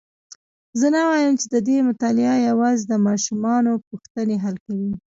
زه نه وایم چې ددې مطالعه یوازي د ماشومانو پوښتني حل کوي.